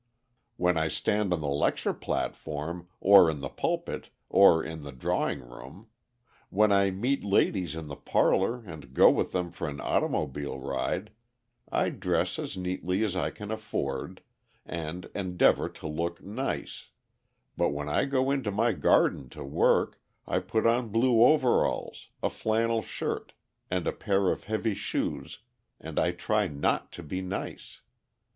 When I stand on the lecture platform, or in the pulpit, or in the drawing room; when I meet ladies in the parlor and go with them for an automobile ride, I dress as neatly as I can afford, and endeavor to look "nice;" but when I go into my garden to work, I put on blue overalls, a flannel shirt, and a pair of heavy shoes, and I try not to be nice.